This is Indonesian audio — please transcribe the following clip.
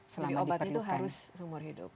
jadi obat itu harus seumur hidup